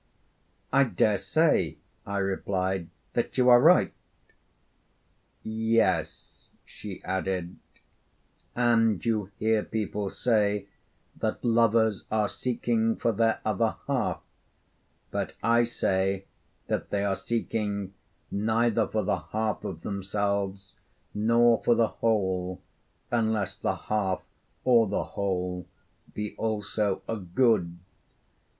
'I dare say,' I replied, 'that you are right.' 'Yes,' she added, 'and you hear people say that lovers are seeking for their other half; but I say that they are seeking neither for the half of themselves, nor for the whole, unless the half or the whole be also a good.